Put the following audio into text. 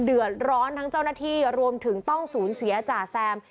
เดือดร้อนทั้งเจ้าหน้าที่รวมถึงต้องสูญเสียจ่าแซม